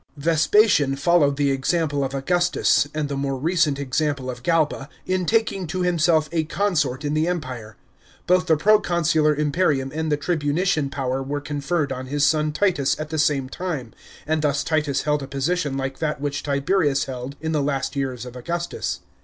§ 3. Vespasian followed the example of Augustus, and the more recent example of Galba, in taking to himself a consort in the Empire. Both the proconsular imperium and the tiibunician power were conferred on his son Titus at the same time, and thus Titus held a position like that which Tiberius held in the last years of Augustus.